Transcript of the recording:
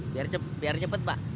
biar cepat pak